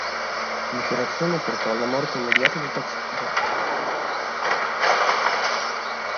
L'operazione portò alla morte immediata del paziente.